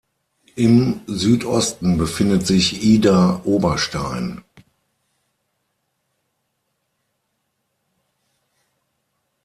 Im Südosten befindet sich Idar-Oberstein.